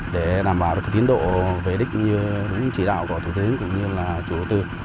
để đảm bảo được tiến độ về đích như chỉ đạo của thủ tướng cũng như là chủ tư